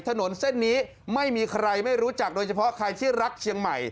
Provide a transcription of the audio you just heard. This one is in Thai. ถนนเส้นนี้ไม่มีใครไม่รู้จักโดยเฉพาะใครที่รักเชียงใหม่